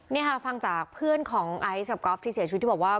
นี่ค่ะฟังจากเพื่อนของไอซ์กับก๊อฟที่เสียชีวิตที่บอกว่า